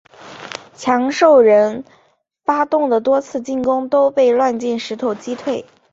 强兽人发动的多次进攻都被乱箭石头击退。